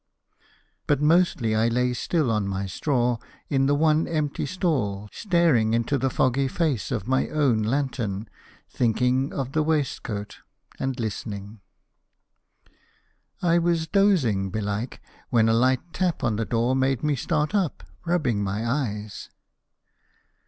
But mostly I lay still on my straw in the one empty stall staring into the foggy face of my own lantern, thinking of the waistcoat, and listening. I was dozing, belike, when a light tap on the door made me start up, rubbing my eyes.